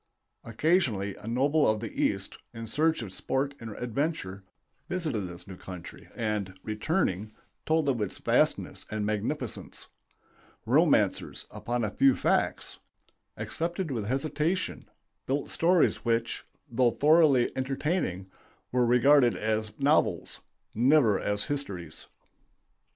Occasionally a noble of the East, in search of sport and adventure, visited this new country and, returning, told of its vastness and magnificence. Romancers, upon a few facts, accepted with hesitation, built stories which, though thoroughly entertaining, were regarded as novels, never as histories.